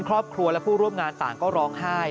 ครอบครัวและผู้ร่วมงานต่างก็ร้องไห้